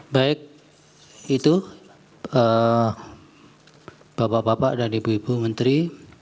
baik itu bapak bapak dan ibu ibu menteri